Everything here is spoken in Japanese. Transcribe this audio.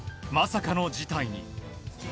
まさかの事態に。